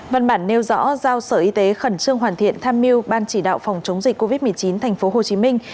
văn bản nêu rõ giao sở y tế khẩn trương hoàn thiện tham mưu ban chỉ đạo phòng chống dịch covid một mươi chín thành phố hồ chí minh